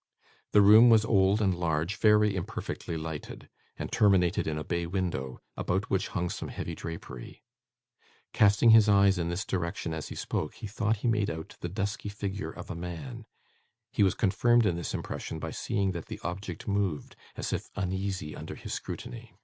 The room was old and large, very imperfectly lighted, and terminated in a bay window, about which hung some heavy drapery. Casting his eyes in this direction as he spoke, he thought he made out the dusky figure of a man. He was confirmed in this impression by seeing that the object moved, as if uneasy under his scrutiny.